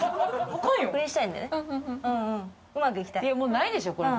もうないでしょこれ。